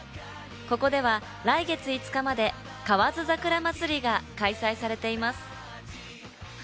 ここでは来月５日まで河津桜まつりが開催されています。